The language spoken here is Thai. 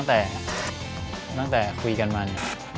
ตั้งแต่คุยกันมัน